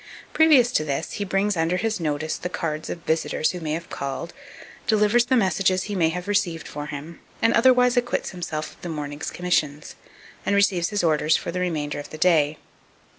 Previous to this, he brings under his notice the cards of visitors who may have called, delivers the messages be may have received for him, and otherwise acquits himself of the morning's commissions, and receives his orders for the remainder of the day.